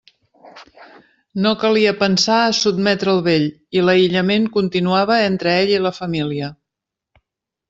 No calia pensar a sotmetre el vell, i l'aïllament continuava entre ell i la família.